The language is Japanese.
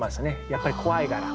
やっぱり怖いから。